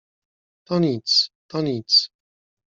— To nic, to nic…